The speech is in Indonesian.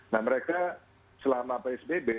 nah mereka selama psbb